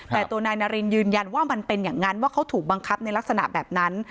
แต่ตัวนายนารินยืนยันว่ามันเป็นอย่างนั้นว่าเขาถูกบังคับในลักษณะแบบนั้น